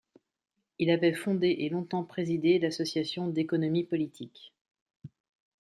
Il avait fondé et longtemps présidé l'Association d'économie politique.